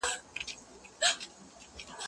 زه بايد لاس پرېولم!.